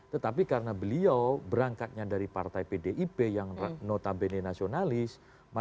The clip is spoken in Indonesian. tetapi karena beliau berangkatnya dari partai pdip yang notabene nasionalis